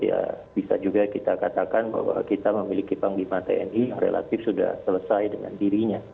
ya bisa juga kita katakan bahwa kita memiliki panglima tni yang relatif sudah selesai dengan dirinya